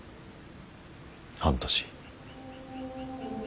半年。